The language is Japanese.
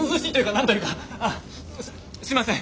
すみません！